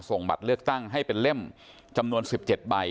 ส่งบัตรเลือกตั้งให้เป็นเล่มจำนวน๑๗ใบ